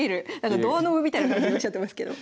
ドアノブみたいな感じにしちゃってますけど。